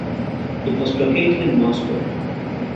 It was located in Moscow.